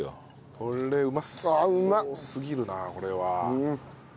これうまそうすぎるなこれは。